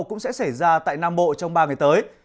cũng sẽ xảy ra tại nam bộ trong ba ngày tới